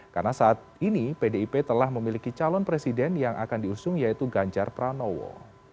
karena saat ini pdip telah memiliki calon presiden yang akan diusung yaitu ganjar pranowo